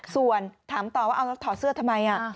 ส่วนถามต่อว่าเอาแล้วถอดเสื้อทำไม